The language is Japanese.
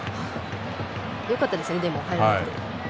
よかったですね、でも入らなくて。